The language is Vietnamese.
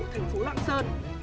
thành phố lạng sơn